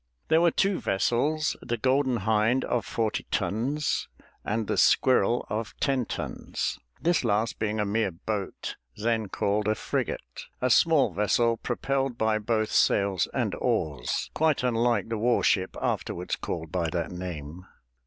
There were two vessels, the Golden Hind of forty tons, and the Squirrel of ten tons, this last being a mere boat then called a frigate, a small vessel propelled by both sails and oars, quite unlike the war ship afterwards called by that name.